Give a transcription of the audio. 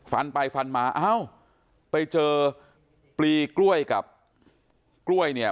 ฟันไปฟันมาเอ้าไปเจอปลีกล้วยกับกล้วยเนี่ย